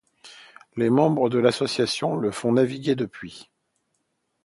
Les membres de l'association le font naviguer depuis.